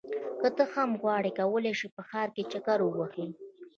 که ته هم غواړې کولی شې په ښار کې چکر ووهې.